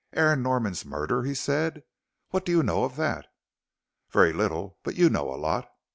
"Aaron Norman's murder," he said, "what do you know of that?" "Very little, but you know a lot."